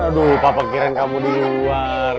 aduh papa kirain kamu di luar